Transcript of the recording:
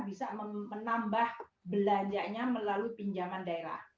bisa menambah belanjanya melalui pinjaman daerah